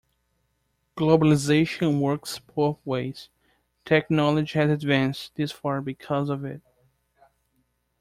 Globalization works both ways. Technology has advanced this far because of it.